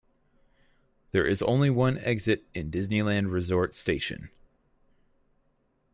There is only one exit in Disneyland Resort Station.